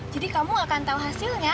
jadi kamu gak akan tau hasilnya